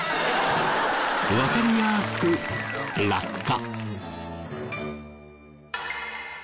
わかりやすく落下。